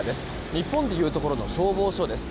日本で言うところの消防署です。